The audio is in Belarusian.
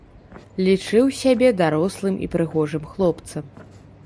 Лічыў сябе дарослым і прыгожым хлопцам.